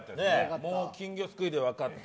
金魚すくいで分かって